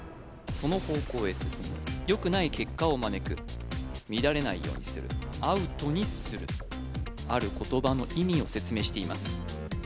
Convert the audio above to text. その方向へ進むよくない結果をまねく乱れないようにするアウトにするある言葉の意味を説明しています